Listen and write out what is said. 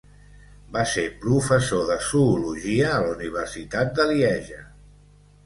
Va ser professor de zoologia a la Universitat de Lieja.